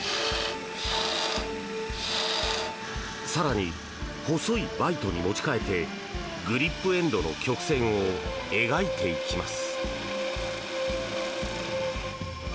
更に、細いバイトに持ち替えてグリップエンドの曲線を描いていきます。